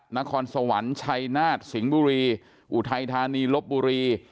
นครสวรรค์ชัยนาฏสิงห์บุรีอุทัยธานีลบบุรี